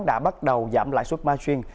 đã bắt đầu giảm lãi suất margin